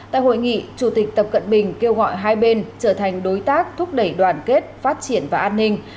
tại hội nghị chủ tịch tập cận bình kêu gọi hai bên trở thành đối tác thúc đẩy đoàn kết phát triển và an ninh